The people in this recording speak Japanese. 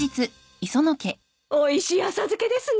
おいしい浅漬けですね。